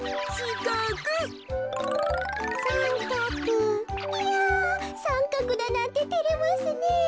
いやさんかくだなんててれますねえ。